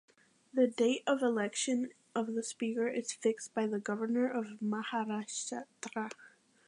The date of election of the speaker is fixed by the Governor of Maharashtra.